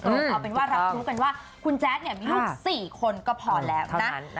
เอาเป็นว่ารับรู้กันว่าคุณแจ๊ดเนี่ยมีลูก๔คนก็พอแล้วนะ